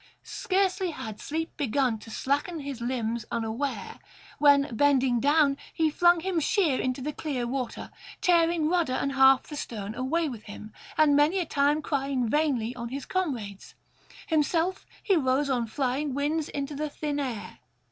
Scarcely had sleep begun to slacken his limbs unaware, when bending down, he flung him sheer into the clear water, tearing rudder and half the stern away with him, and many a time crying vainly on his comrades: himself [861 871]he rose on flying wings into the thin air.